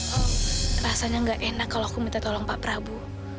oh rasanya nggak enak kalau aku minta tolong pak prabu